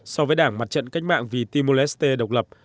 so với đảng mặt trận cách mạng vì timor leste độc lập